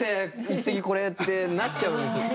一席これ」ってなっちゃうんですよ。